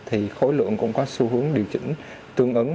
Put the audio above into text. thì khối lượng cũng có xu hướng điều chỉnh tương ứng